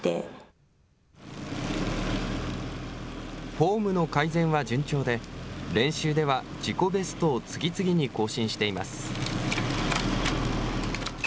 フォームの改善は順調で、練習では自己ベストを次々に更新しています。